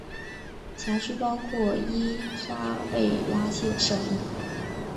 辖区包括伊莎贝拉省。